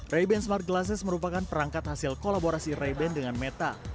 ray ban smart glasses merupakan perangkat hasil kolaborasi ray ban dengan meta